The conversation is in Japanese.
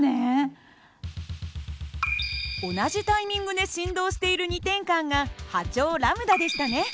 同じタイミングで振動している２点間が波長λでしたね。